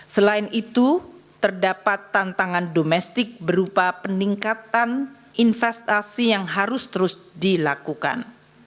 selain itu terdapat tantangan domestik berupa peningkatan investasi yang harus terus dilakukan